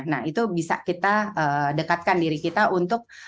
nah itu bisa kita dekatkan diri kita untuk